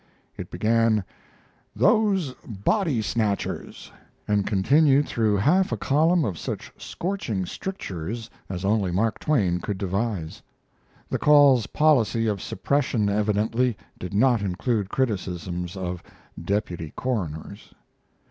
It began, "Those body snatchers" and continued through half a column of such scorching strictures as only Mark Twain could devise. The Call's policy of suppression evidently did not include criticisms of deputy coroners.